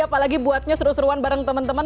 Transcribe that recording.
apalagi buatnya seru seruan bareng temen temen